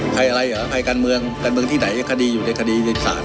ใครอะไรเหรอใครการเมืองการเมืองที่ไหนคดีอยู่ในคดีในศาล